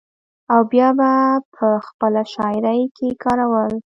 او بيا به پۀ خپله شاعرۍ کښې کارول ۔